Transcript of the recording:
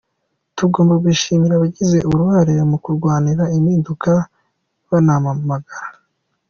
tugomba gushimira abagize uruhare mu kurwanira impinduka, banamagana